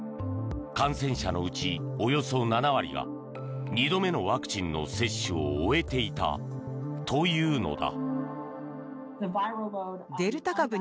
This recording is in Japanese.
感染者のうちおよそ７割が２度目のワクチンの接種を終えていたというのだ。